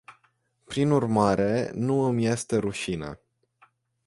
Prin urmare, nu îmi este rușine.